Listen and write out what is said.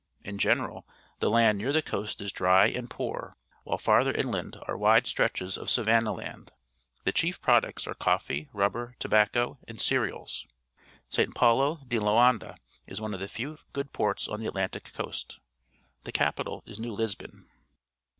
In general, the land near the coast is dry and poor, while farther inland are wide stretches of savanna land. The chief products are coffee, rubber, tobacco, and cereals. &t. Paulo de Loanda is one of the few^ good ports on the Atlantic coast. The capital is New Lisbon.